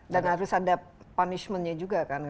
dan harus ada punishment nya juga kan